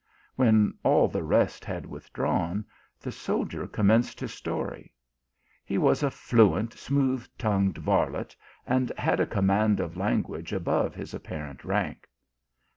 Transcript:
When all the rest had withdrawn, the soldier com menced his story. He was a fluent, smooth tongued varlet, and had a command of language above hii apparent rank.